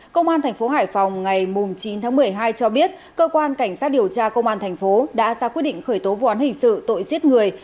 công an thành phố hải phòng ngày chín một mươi hai cho biết cơ quan cảnh sát điều tra công an thành phố đã ra quyết định khởi tố võ án hình sự tội giết người